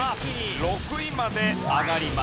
６位まで上がります。